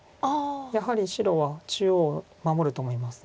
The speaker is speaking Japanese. やはり白は中央守ると思います。